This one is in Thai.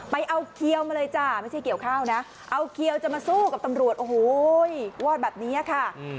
ไปเอาเคี้ยวมาเลยจ้ะไม่ใช่เกี่ยวข้าวนะเอาเขียวจะมาสู้กับตำรวจโอ้โหวอดแบบนี้ค่ะ